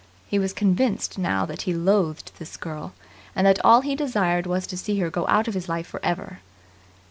He was convinced now that he loathed this girl, and that all he desired was to see her go out of his life for ever.